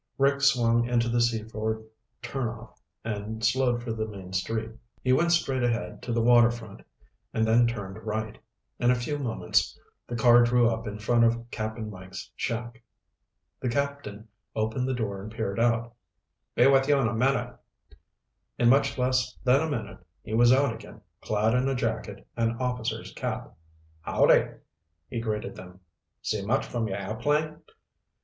Rick swung into the Seaford turnoff and slowed for the main street. He went straight ahead to the water front and then turned right. In a few moments the car drew up in front of Cap'n Mike's shack. The captain opened the door and peered out. "Be with you in a minute." In much less than a minute he was out again, clad in a jacket and officer's cap. "Howdy," he greeted them. "See much from your airplane?"